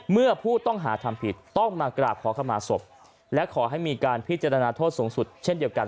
เมื่อผู้ต้องหาทำผิดต้องมากราบขอเข้ามาศพและขอให้มีการพิจารณาโทษสูงสุดเช่นเดียวกัน